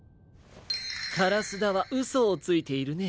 からすだはうそをついているね。